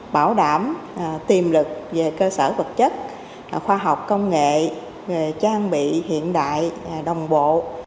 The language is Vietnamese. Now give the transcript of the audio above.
bảo đảm tiềm lực về cơ sở vật chất khoa học công nghệ trang bị hiện đại đồng bộ